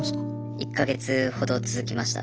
１か月ほど続きました。